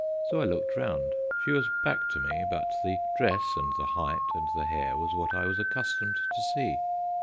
So I looked round. She was back to me, but the dress and the height and the hair was what I was accustomed to see.